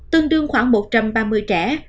tương đương khoảng một trăm ba mươi trẻ